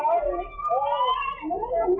ร้านทรงทาง